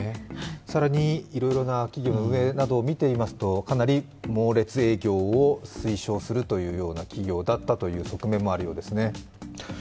更にいろいろな企業の運営を見てますとかなり猛烈営業を推奨するというような企業だったという側面もあるようですね。